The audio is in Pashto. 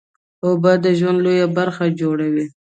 اوبه د ژوند لویه برخه جوړوي